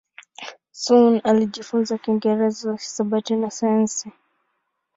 Sun alijifunza Kiingereza, hisabati na sayansi.